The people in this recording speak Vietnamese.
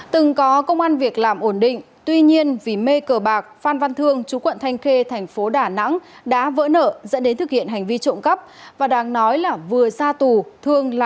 từng có công an việc làm ổn định tuy nhiên vì mê cờ bạc phan văn thương chú quận thanh khê thành phố đà nẵng đã vỡ nở dẫn đến thực hiện hành vi trộm